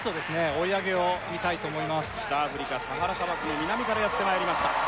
追い上げを見たいと思います北アフリカサハラ砂漠の南からやってまいりました